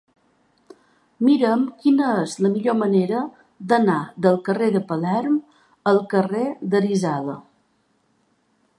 Mira'm quina és la millor manera d'anar del carrer de Palerm al carrer d'Arizala.